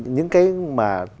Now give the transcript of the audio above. những cái mà